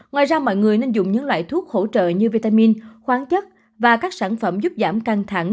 ngoài ra mọi người nên dùng những loại thuốc hỗ trợ như vitamin khoáng chất và các sản phẩm giúp giảm căng thẳng